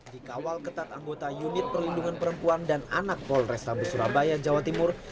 di kawal ketat anggota unit perlindungan perempuan dan anak polrestabu surabaya jawa timur